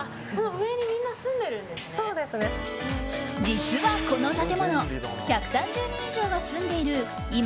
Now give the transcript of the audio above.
実はこの建物１３０人以上が住んでいる今